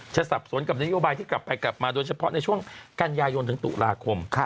สับสนกับนโยบายที่กลับไปกลับมาโดยเฉพาะในช่วงกันยายนถึงตุลาคม